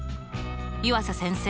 湯浅先生